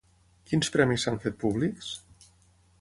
Quins premis s'han fet públics?